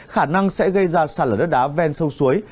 khả năng sẽ gây ra sạt lở đất đá ven sông suối